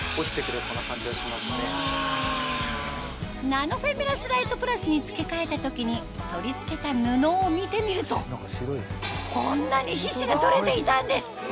ナノフェミラスライトプラスに付け替えた時に取り付けた布を見てみるとこんなに皮脂が取れていたんです！